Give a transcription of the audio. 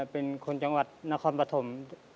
เป็นคนจังหวัดนครปฐม